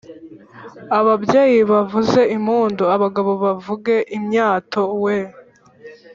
ababyeyi bavuze impundu, abagabo bivuge imyato weee